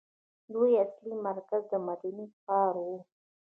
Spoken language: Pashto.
دوی اصلي مرکز د مدینې ښار وو.